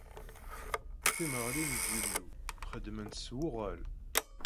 Timeɣlin n yilu xedment s wuɣel.